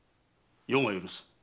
余が許す。